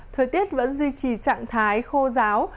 thời tiết vẫn duy trì trạng thái khô ráo